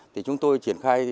thì chúng tôi triển khai